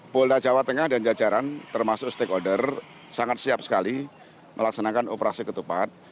polda jawa tengah dan jajaran termasuk stakeholder sangat siap sekali melaksanakan operasi ketupat